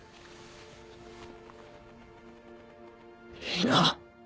いいな？